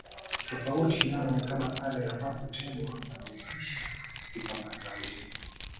tofauti inaonekana pale ambapo Kembo anahusisha vipamba sauti